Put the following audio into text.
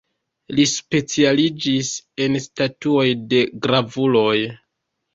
Li specialiĝis en statuoj de gravuloj.